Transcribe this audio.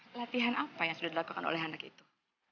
pelatihan apa yang sudah dilakukan oleh anak itu